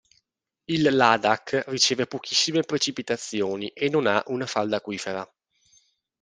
Il Ladakh riceve pochissime precipitazioni e non ha una falda acquifera.